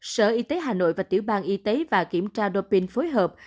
sở y tế hà nội và tiểu bàn y tế và kiểm tra doping phối hợp